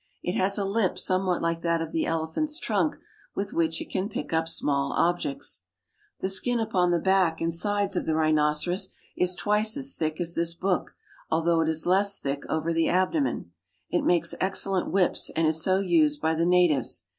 It has a lip somewhat like that of the elephant's trunk, with which it can pick up small objects. The skin upon the back and sides of the rhinoceros is twice as thick as this book, although it is less thick over the abdomen. It makes excellent whips and is so used by the natives.